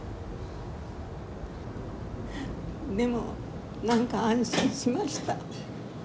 でも何か安心しました。